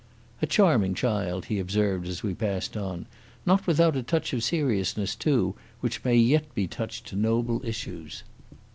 "A charming child," he observed as we passed on. "Not without a touch of seriousness, too, which may yet be touched to noble issues."